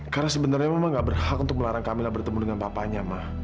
karena sebenarnya mama gak berhak untuk melarang kamila bertemu dengan papanya ma